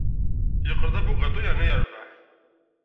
Yeqqel d abugaṭu yerna yerbeḥ.